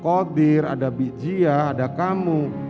kodir ada bijiyah ada kamu